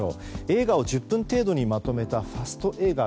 映画を１０分程度にまとめたファスト映画。